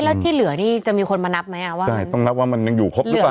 แล้วที่เหลือนี่จะมีคนมานับไหมอ่ะว่าใช่ต้องนับว่ามันยังอยู่ครบหรือเปล่า